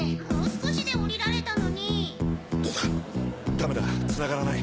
ダメだつながらない。